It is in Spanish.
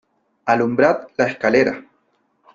¡ alumbrad la escalera !...